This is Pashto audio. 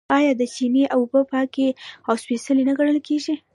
آیا د چینې اوبه پاکې او سپیڅلې نه ګڼل کیږي؟